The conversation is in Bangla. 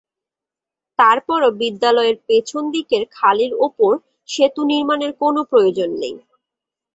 তারপরও বিদ্যালয়ের পেছন দিকের খালের ওপর সেতু নির্মাণের কোনো প্রয়োজন নেই।